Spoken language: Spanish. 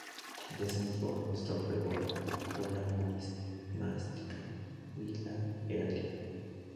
Desde muy joven mostró fervor por la numismática y la heráldica.